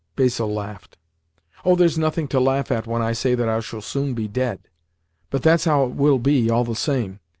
Basil laughed. "Oh, there's nothing to laugh at when I say that I shall soon be dead. But that's how it will be, all the same.